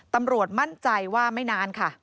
ตำรวจมั่นใจว่าไม่นานค่ะ